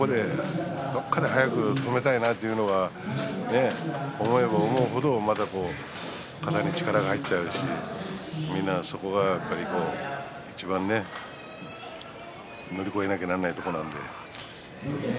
どこかで早く止めたいなというのが思えば思う程肩に力が入っちゃうしみんな、そこがいちばん乗り越えなければならないところなんで。